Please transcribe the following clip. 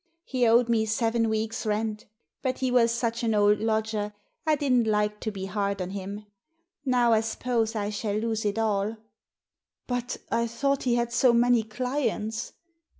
He owed me seven weeks' rent. But he was such an old lodger I didn't like to be hard on him. Now, I suppose, I shall lose it all" " But I thought he had so many clients